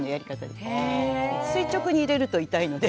垂直に入れると痛いので。